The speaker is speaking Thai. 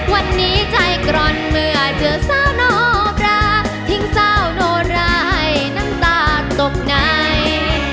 วันนี้ใจกรอนเหมือนเจอสาวนกระทิ้งสาวโนราให้น้ำตาตกไหน